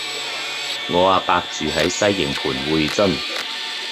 我阿伯住喺西營盤薈臻